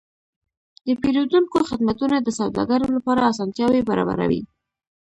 د پیرودونکو خدمتونه د سوداګرو لپاره اسانتیاوې برابروي.